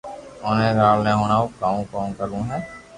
اوني لال ني ھڻاو ڪو ڪاوُ ڪري